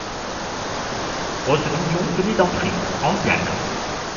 Rose Mignon venait d'entrer, en Diane.